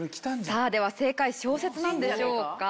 さあでは正解小説なんでしょうか？